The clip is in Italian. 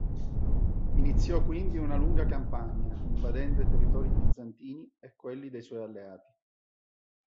Iniziò, quindi, una lunga campagna, invadendo i territori bizantini e quelli dei suoi alleati.